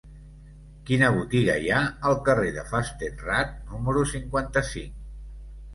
Quina botiga hi ha al carrer de Fastenrath número cinquanta-cinc?